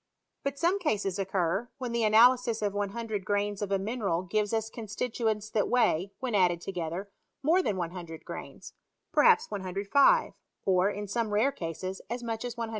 But some cases occur, when the analysis of 100 grains of a mineral gives us constituents that weigh, when added together, more than 100 grains; per haps 105, or, in some rare cases, as much as 110.